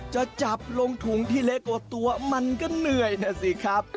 จะจับลงถุงที่เล็กกว่าตัวมันก็เหนื่อยนะสิครับ